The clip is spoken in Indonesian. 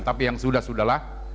tapi yang sudah sudahlah